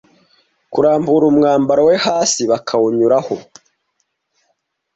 kurambura umwambaro we hasi bakawunyuraho